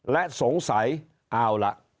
และสงสัยเอาล่ะ